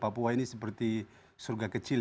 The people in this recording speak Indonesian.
papua ini seperti surga kecil